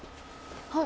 はい。